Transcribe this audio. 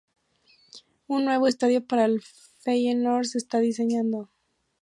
Un nuevo estadio para el Feyenoord se está diseñando.